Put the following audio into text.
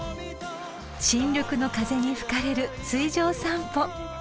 ［新緑の風に吹かれる水上散歩］